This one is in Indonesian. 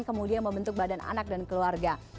kemudian membentuk badan anak dan keluarga